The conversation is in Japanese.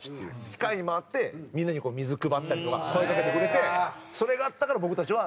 「控えに回ってみんなにこう水配ったりとか声かけてくれてそれがあったから僕たちは」って言ってたんで。